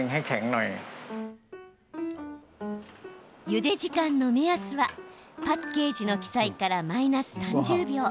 ゆで時間の目安はパッケージの記載からマイナス３０秒。